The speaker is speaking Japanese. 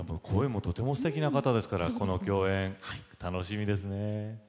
声もとても、すてきな方ですからこの共演、楽しみですね。